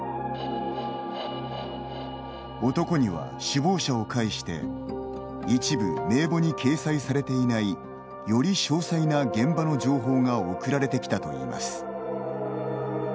男には、首謀者を介して一部、名簿に掲載されていないより詳細な現場の情報が送られてきたといいます。